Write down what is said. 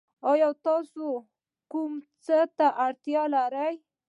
ایا تاسو کوم څه ته اړتیا لرئ؟